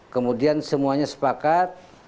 kemudian semuanya sepakat